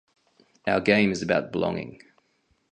Our game is about belonging.